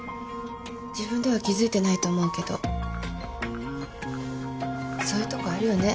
自分では気付いてないと思うけどそういうとこあるよね。